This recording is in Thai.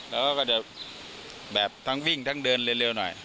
แล้วก็จะแบบทั้งวิ่งทั้งเดินเร็วหน่อย